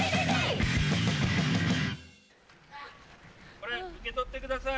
・これ受け取ってください・・